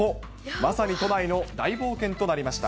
まさに都内の大冒険となりました。